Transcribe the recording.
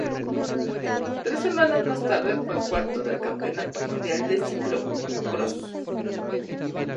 Tres semanas más tarde fue cuarto del Campeonato Mundial de Ciclocrós.